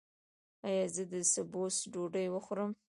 ایا زه د سبوس ډوډۍ وخورم؟